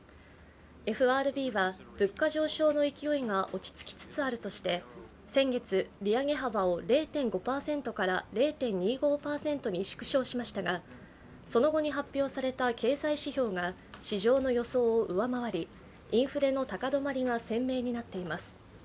ＦＲＢは物価上昇の勢いが落ち着きつつあるとして先月、利上げ幅を０．５％から０．２５％に縮小しましたがその後に発表された経済指標が市場の予想を上回り、インフレの高止まりが鮮明になっています。